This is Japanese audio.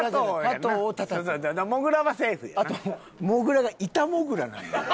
あとモグラが板モグラなんよ。